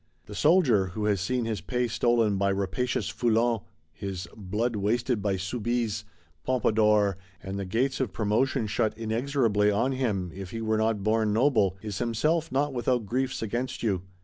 The soldier, who has seen his pay stolen by rapacious Foulons, his blood wasted by Soubises, Pompadours, and the gates of promotion shut inexorably on him if he were not born noble,—is himself not without griefs against you.